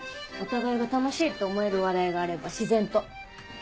お互いが楽しいと思える話題があれば自然と。